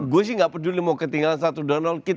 gue sih gak peduli mau ketinggalan satu donald kit